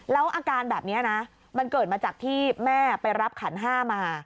แล้วอาการแบบนี้นะมันเกิดมาจากที่แม่ไปรับขันห้ามา